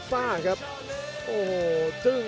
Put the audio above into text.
ชาเลน์